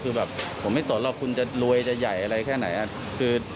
คือแบบผมไม่สนหรอกคุณจะรวยจะใหญ่อะไรแค่ไหน